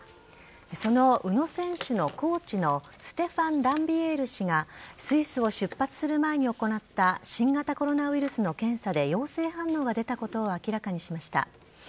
その宇野選手のコーチのステファン・ランビエール氏がスイスを出発する前に行った新型コロナウイルスの検査で陽性反応が出たことを明らかにしました。